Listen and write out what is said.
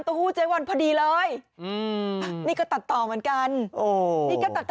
หู้เจ๊วันพอดีเลยอืมนี่ก็ตัดต่อเหมือนกันโอ้นี่ก็ตัดต่อ